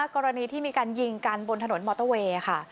กรณีที่มีการยิงกันบนถนนมอเตอร์เวย์ค่ะ